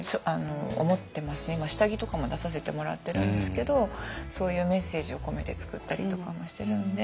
今下着とかも出させてもらってるんですけどそういうメッセージを込めて作ったりとかもしてるんで。